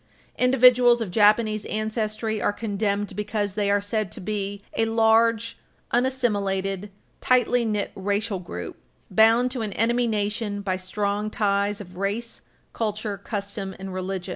Individuals of Japanese ancestry are condemned because they are said to be "a large, unassimilated, tightly knit racial group, bound to an enemy nation by strong ties of race, culture, custom and religion."